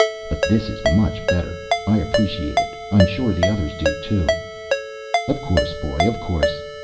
But this is much better. I appreciate it. I'm sure the others do, too." "Of course, boy. Of course."